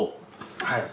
はい。